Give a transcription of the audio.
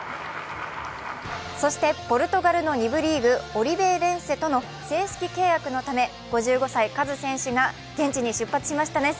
そしてポルトガル２部リーグオリヴェイレンセとの正式契約のため５５歳、カズ選手が現地に出発しましたね。